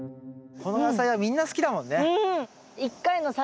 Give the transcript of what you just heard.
この野菜はみんな好きだもんね。